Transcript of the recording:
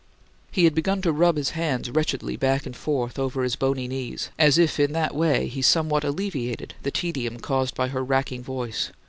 He had begun to rub his hands wretchedly back and forth over his bony knees, as if in that way he somewhat alleviated the tedium caused by her racking voice.